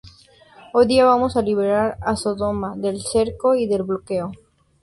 Hoy día, vamos a liberar a Sodoma del cerco y del bloqueo.